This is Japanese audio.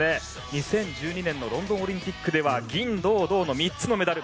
２０１２年のロンドンオリンピックでは銀、銅、銅の３つのメダル。